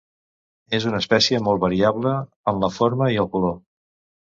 És una espècie molt variable en la forma i el color.